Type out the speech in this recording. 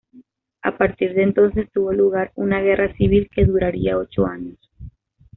A partir de entonces tuvo lugar una guerra civil que duraría ocho años.